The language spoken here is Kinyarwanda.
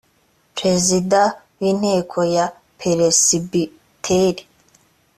prezida w inteko ya peresibiteri